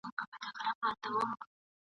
د هغه د پالني روزني نخښه جوړه سوه